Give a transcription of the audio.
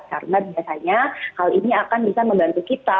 karena biasanya hal ini akan bisa membantu kita